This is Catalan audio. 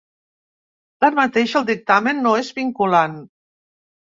Tanmateix, el dictamen no és vinculant.